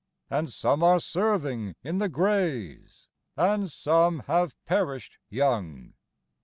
And some are serving in "the Greys," And some have perish'd young!